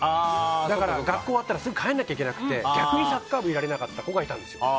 だから、学校終わったらすぐ帰らなきゃいけなくて逆にサッカー部やれなかった子がいたんですよ。